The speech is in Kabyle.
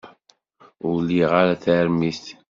Ur liɣ ara tarmit.